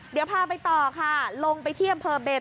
เดี๋ยวพาไปต่อค่ะลงไปเที่ยมเพิ่มเบ็ด